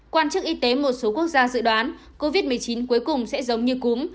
quan chức y tế một số quốc gia dự đoán covid một mươi chín cuối cùng sẽ giống như cúm